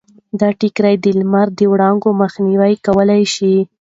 دا ټکر د لمر د وړانګو مخنیوی کولی شي.